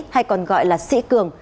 hay còn gọi là sĩ cường